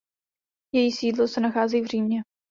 Její sídlo se nachází v Římě.